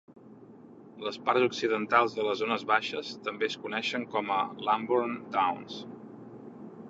Les parts occidentals de les zones baixes també es coneixen com a Lambourn Downs.